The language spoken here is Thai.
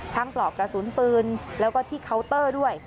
ปลอกกระสุนปืนแล้วก็ที่เคาน์เตอร์ด้วย